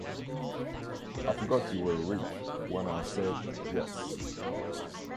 I forgot you were rich when I said 'Yes.'